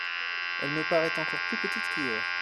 Elle me paraît encore plus petite qu’hier.